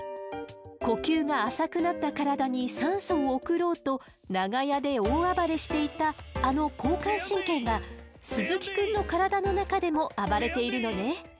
呼吸が浅くなった体に酸素を送ろうと長屋で大暴れしていたあの交感神経が鈴木くんの体の中でも暴れているのね。